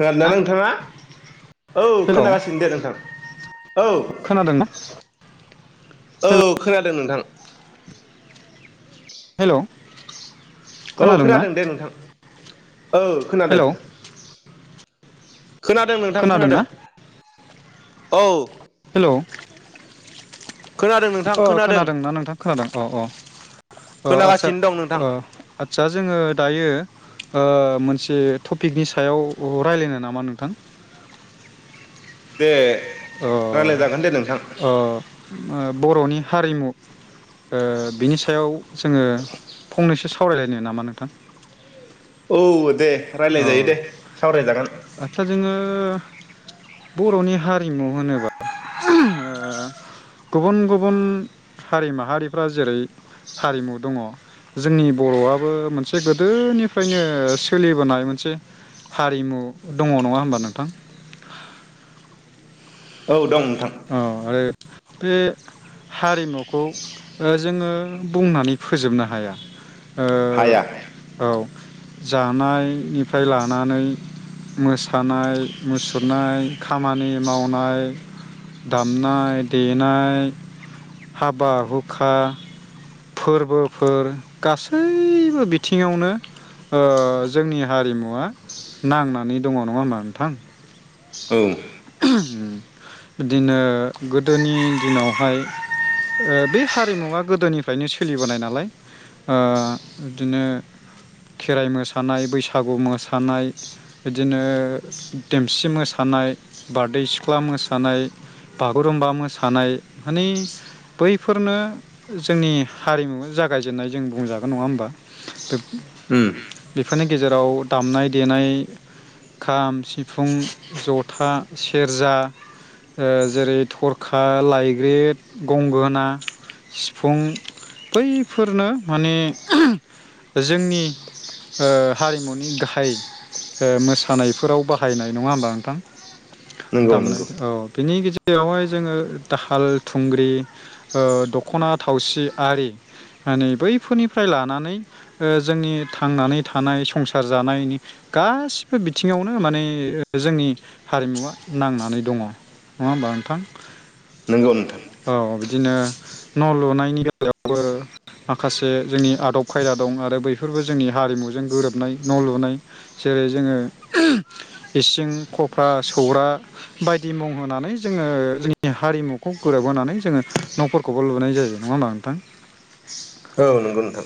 खोनादोंना नोंथाङा औ हेलौ खोनागासिनो दे नोंथां औ खोनादोंना हेलौ औ खोनादों नोंथां हेलौ औ खोनादोंना खोनादों दे नोंथां औ खोनादों हेलौ [unintelligible] खोनादों नोंथां खोनादों खोनादोंना औ अ हेलौ खोनादों नोंथां खोनादों खोनादोंना नोंथां खोनादों अ अ अ आचसा खोनागासिनो दं नोंथां अ आचसा जोङो दायो ओ मोनसे टपिकनि सायाव रायलायनो नामा नोंथां दे ओ रायलाय जागोन दे नोंथां ओ बर'नि हारिमु ओ बिनि सायाव जोङो फंनैसो सावरायलायनो नामा नोंथां औ दे रायलाय अ जायो दे सावरायजागोन आदसा जोङो बर'नि हारिमु होनोबा ओ गुबुन गुबुन हारि माहारिफ्रा जेरै हारिमु दङ जोंनि बर'आबो मोनसे गोदोनिफ्रायनो सोलिबोनाय मोनसे हारिमु दङ नङा होमबा नोंथां औ दं थां औ आरो बे हारिमुखौ जोङो बुंनानै फोजोबनो हाया ओ हाया औ जानायनिफ्राय लानानै मोसानाय मुसुरनाय खामानि मावनाय दामनाय देनाय हाबा हुखा फोरबोफोर गासैबो बिथिङावनो ओ जोंनि हारिमुवा नांनानै दङ नङा होनबा नोंथां औ दिनो गोदोनि दिनावहाय ओ बे हारिमुवा गोदोनिफ्रायनो सोलिबोनाय नालाय ओ इदिनो खेराइ मोसानाय बैसागु मोसानाय इदिनो देमसि मोसानाय बारदै सिख्ला मोसानाय बागुरुम्बा मोसानाय माने बैफोरनो जोंनि हारिमु जागायजेननाय जों बुंजागोन नङा होमबा बे होम बेफोरनि गेजेराव दामनाय देनाय खाम सिफुं जथा सेरजा ओ जेरै थरखा लाइग्रेद गंगोना सिफुं बैफोरनो माने जोंनि ओ हारिमुनि गाहाय मोसानायफोराव बाहायनाय नङा होमबा नोंथां नंगौ दामनाय नंगौ औ बिनि गेजेरावहाय जोङो दाहाल थुंग्रि ओ दख'ना थावसि आरि माने बैफोरनिफ्राय लानानै ओ जोंनि थांनानै थानाय संसार जानायनि गासिबो बिथिङावनो माने जोंनि हारिमुवा नांनानै दङ नङा होमबा नोंथां नंगौ नोंथां औ बिदिनो न' लुनायनि बेलायावबो माखासे जोंनि आदब खायदा दं आरो बैफोरबो जोंनि हारिमुजों गोरोबनाय न' लुनाय जेरै जोङो इसिं क फ्रा सौरा बायदि मुं होनानै जोङो जोंनि हारिमुखौ गोरोबहोनानै जोङो न'फोरखौबो लुनाय जायो नङा होनोमा नोंथां औ नंगौ नोंथां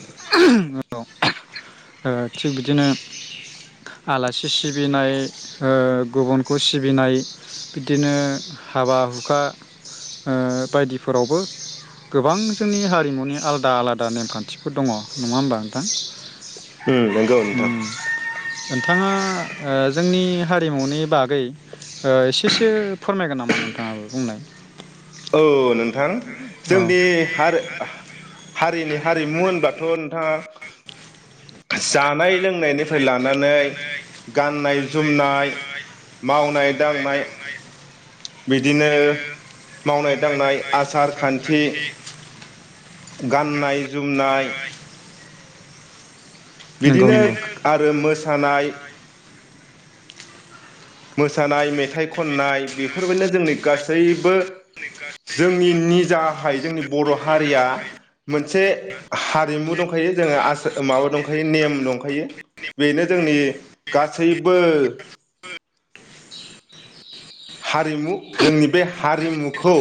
ओ थिग बिदिनो आलासि सिबिनाय ओ गुबुनखौ सिबिनाय बिदिनो हाबा हुखा ओ बायदिफोरावबो गोबां जोंनि हारिमुनि आलदा आलादा नेमखान्थिफोर दङ नङा होमबा नोंथां उम नंगौ नोंथां ओम नोंथाङा ओ जोंनि हारिमुनि बागै ओ एसेसो फोरमायगोन नामा नोंथाङाबो बुंनाय औ नोंथां औ जोंनि हार हारिनि हारिमु होनबाथ' नोंथाङा जानाय लोंनायनिफ्राय लानानै गाननाय जोमनाय मावनाय दांनाय बिदिनो मावनाय दांनाय आसार खान्थि, गाननाय जोमनाय नंगौ बिदिनो नंगौ आरो मोसानाय मोस मोसानाय मेथाइ खननाय बेफो बेफोरबायदिनो जोंनि गासैबो, जोंनि निजाहाय जोंनि बर' हारिया मोनसे हारिमु दंखायो जोङो आस माबा दंखायो नेम दंखायो बेनो जोंनि गासैबो, हारिमु जोंनि बे हारिमुखौ,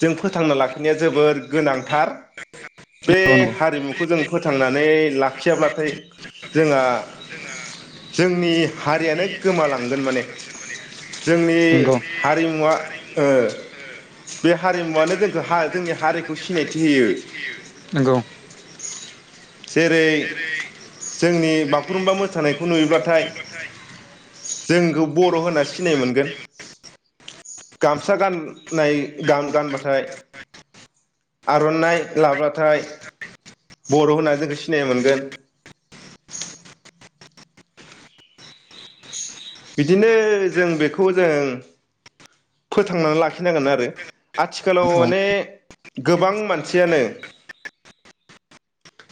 जों फोथांना लाखिनाया जोबोर गोनांथार बे औ नंगौ हारिमुखौ जों फोथांनानै ला लाखियाब्लाथाय जोंहा जोंनि हारियानो गोमालांगोन माने, जोंनि नंगौ हारिमुवा ओ बे हारिमुवानो जोंखो हा जोंनि हारिखौ सिनायथि होयो। नंगौ जेरै जोंनि बागुरुमबा मोसानायखौ नुयोब्ला थाइ जोंखौ बर' होनासो सिनाय मोनगोन गामसा गनाय गानबाथाय आर'नाइ लाब्लाथाय बर' होननानै जोंखौ सिनायनो मोनगोन, बिदिनो जों बेखौ जों फोथांनानै लाखिनांगोन आरो आथिखालाव औ माने गोबां मानसियानो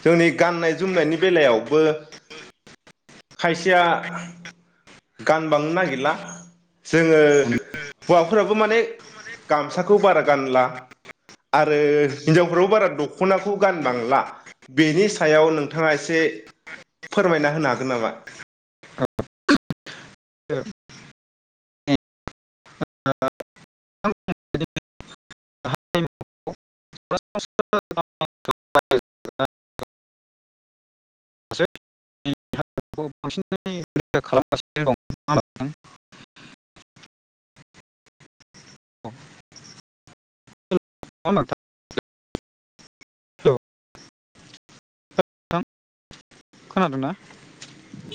जोंनि गाननाय जोमनायनि बेलायावबो खायसेया, गानबांनो नागिरला जोङो हौवाफोराबो माने गामसाखौ बारा गानला आरो हिनजावफ्राव बारा दख'नाखौ गानबांला बेनि सायाव नोंथाङा एसे फोरमायना होनो हागोन नामा? [unintelligible] [unintelligible] [unintelligible] बांसिन रै खालामगासिनो दं नुंङा ओनब्ला नोंथां, औ नङां ओनबा नोंथां हेलौ नोंथां खोनना दोंना?